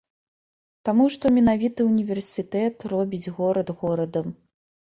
Таму што менавіта універсітэт робіць горад горадам.